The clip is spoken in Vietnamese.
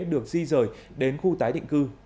được di rời đến khu tái định cư